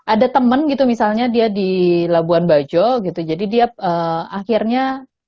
ada temen gitu misalnya dia di labuan bajo gitu jadi dia akhirnya